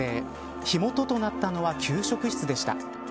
火元となったのは給食室でした。